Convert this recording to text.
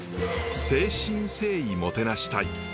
誠心誠意もてなしたい。